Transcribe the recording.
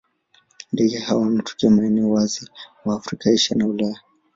Ndege hawa wanatokea maeneo wazi wa Afrika, Asia na Ulaya.